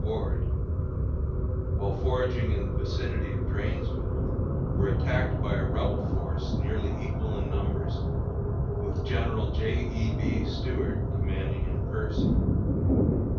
Ord, while foraging in the vicinity of Drainesville, were attacked by a Rebel force nearly equal in numbers, with General J. E. B. Stuart commanding in person.